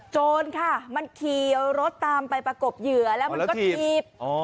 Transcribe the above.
โจรค่ะมันขี่รถตามไปประกบเหยื่อแล้วมันก็ถีบ